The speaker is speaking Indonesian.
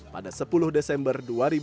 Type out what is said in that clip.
pada sepuluh desember dua ribu dua puluh